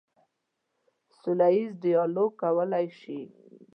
سوله ییز ډیالوګ کولی شو.